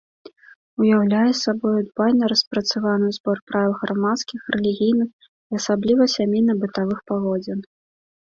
Уяўляе сабою дбайна распрацаваны збор правіл грамадскіх, рэлігійных і асабліва сямейна-бытавых паводзін.